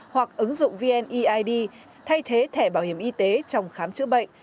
hoặc ứng dụng vneid thay thế thẻ bảo hiểm y tế trong khám chữa bệnh